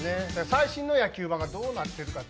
最新の野球盤がどうなっているか。